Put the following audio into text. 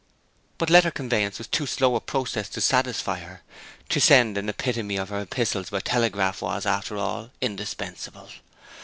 But letter conveyance was too slow a process to satisfy her. To send an epitome of her epistles by telegraph was, after all, indispensable.